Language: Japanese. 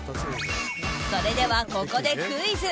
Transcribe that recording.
それでは、ここでクイズ。